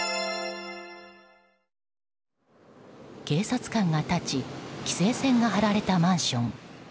警察官が立ち規制線が張られたマンション。